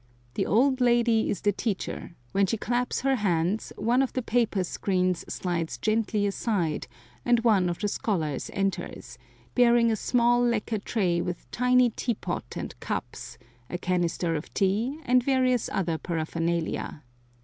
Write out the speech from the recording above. The old lady is the teacher; when she claps her hands, one of the paper screens slides gently aside and one of the scholars enters, bearing a small lacquer tray with tiny teapot and cups, a canister of tea, and various other paraphernalia.